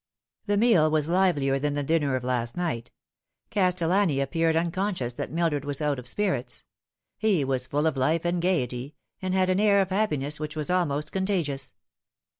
The meal was livelier than the dinner of last night. Castellaai appeared unconscious that Mildred was out of spirits. He was full of life and gaiety, and had an air of happiness which was almost contagious.